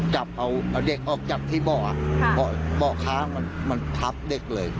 จับเอาเด็กออกจากที่เบาะเบาะค้ามันทับเด็กเลย